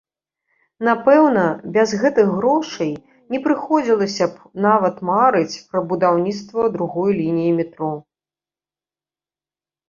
Напэўна, без гэтых грошай не прыходзілася б нават марыць пра будаўніцтва другой лініі метро.